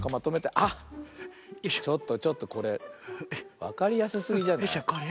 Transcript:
あっちょっとちょっとこれわかりやすすぎじゃない？